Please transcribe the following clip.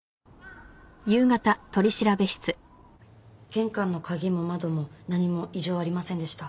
玄関の鍵も窓も何も異常ありませんでした。